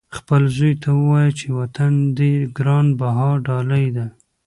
خپل زوی ته ووایه چې وطن دې ګران بها ډالۍ دی.